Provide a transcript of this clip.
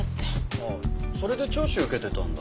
ああそれで聴取受けてたんだ。